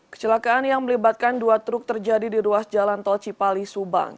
kecelakaan yang melibatkan dua truk terjadi di ruas jalan tol cipali subang